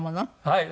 はい。